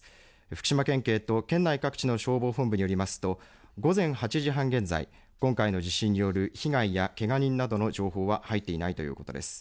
福島県県警と県内各地の消防本部によりますと午前８時半現在、今回の地震による被害やけが人などの情報は入っていないということです。